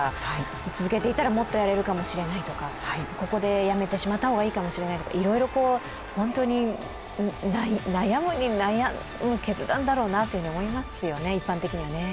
続けていたら、もっとやれるかもしれないとか、ここで辞めてしまったほうがいいかもしれないとか、いろいろ悩みに悩んだ決断だと思いますよね、一般的にはね。